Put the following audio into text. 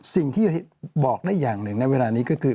สิ่งที่บอกได้อย่างหนึ่งในเวลานี้ก็คือ